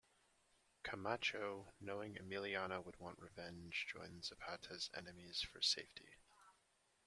Camacho, knowing Emiliano would want revenge, joined Zapata's enemies for safety.